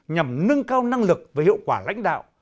nhằm nâng cao năng lực và hiệu quả lãnh đạo